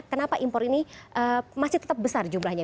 kenapa impor ini masih tetap besar jumlahnya